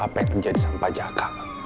apa yang terjadi sama pajaka